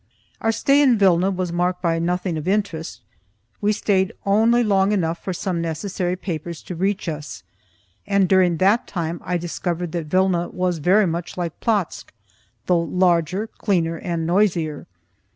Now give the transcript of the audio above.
Our stay in Vilna was marked by nothing of interest. We stayed only long enough for some necessary papers to reach us, and during that time I discovered that Vilna was very much like Plotzk, though larger, cleaner and noisier.